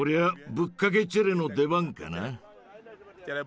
ぶっかけチェレの出番かな。